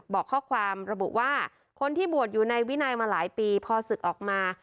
บอกข้อความระบุว่าคนที่บวชอยู่ในวินัยมาหลายปีพอศึกออกมา